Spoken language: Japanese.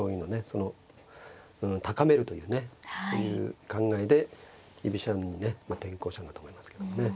その高めるというねそういう考えで居飛車にね転向したんだと思いますけどもね。